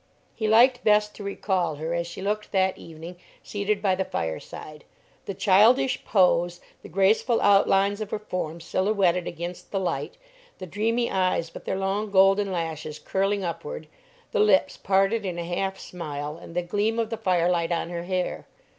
He liked best to recall her as she looked that evening seated by the fireside: the childish pose, the graceful outlines of her form silhouetted against the light; the dreamy eyes, with their long golden lashes curling upward; the lips parted in a half smile, and the gleam of the firelight on her hair.